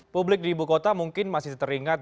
publik di ibu kota mungkin masih teringat